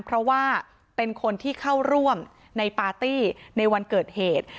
เพราะว่าเป็นคนที่เข้าร่วมในปาร์ตี้ในวันเกิดเหตุ